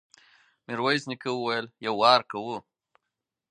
ميرويس نيکه وويل: يو وار کوو.